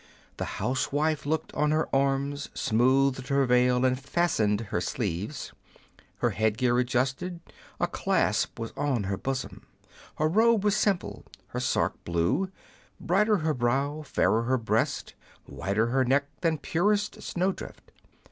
The housewife looked on her arms, Smoothed her veil, and fastened her sleeves, Her headgear adjusted. A clasp was on her bosom, Her robe was ample, her sark blue ; Brighter her brow, fairer her breast, Whiter her neck than purest snowdrift.